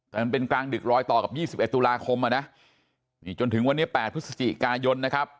แต่มันเป็นกลางดึกรอยต่อกับ๒๑ตุลาคมอ่ะนะนี่จนถึงวันนี้๘พฤศจิกายนนะครับ